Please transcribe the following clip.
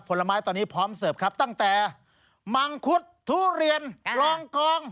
ผลไม้ตอนนี้พร้อมเสิร์ฟครับตั้งแต่มังคุดทุเรียนรองกอง